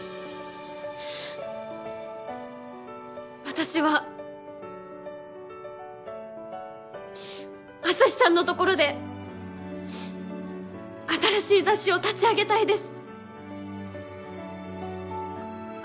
私はあさひさんのところで新しい雑誌を立ち上げたいです。